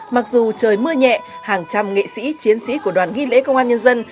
mặc dù trời mưa nhẹ hàng trăm nghệ sĩ chiến sĩ của đoàn ghi lễ công an nhân dân